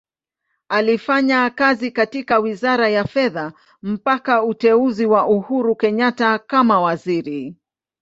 Alifanya kazi katika Wizara ya Fedha mpaka uteuzi wa Uhuru Kenyatta kama Waziri.